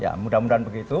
ya mudah mudahan begitu